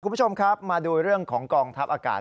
คุณผู้ชมครับมาดูเรื่องของกองทัพอากาศ